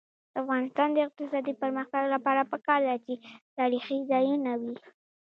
د افغانستان د اقتصادي پرمختګ لپاره پکار ده چې تاریخي ځایونه وي.